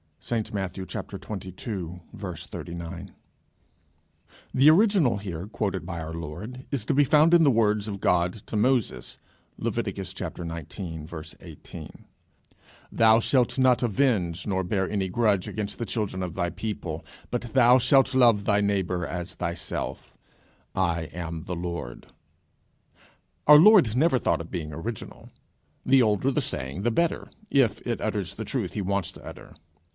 _ ST MATTHEW xxii. 39. The original here quoted by our Lord is to be found in the words of God to Moses, (Leviticus xix. 18:) _"Thou shalt not avenge, nor bear any grudge against the children of thy people, but thou shalt love thy neighbour as thyself: I am the Lord"_ Our Lord never thought of being original. The older the saying the better, if it utters the truth he wants to utter.